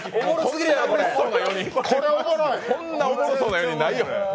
こんなおもろそうな４人、ないよ！